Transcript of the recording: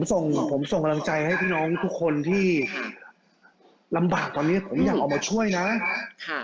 ส่งผมส่งกำลังใจให้พี่น้องทุกคนที่ลำบากตอนนี้ผมอยากเอามาช่วยนะค่ะ